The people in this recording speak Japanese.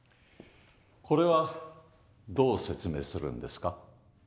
これはどう説明するんですか？